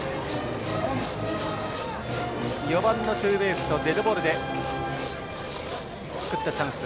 ４番のツーベースとデッドボールで作ったチャンス。